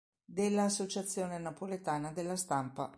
Della Associazione Napoletana della Stampa